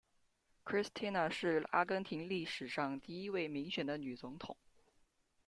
克里斯蒂娜是阿根廷历史上第一位民选的女总统。